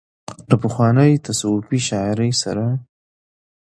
له پخوانۍ تصوفي شاعرۍ سره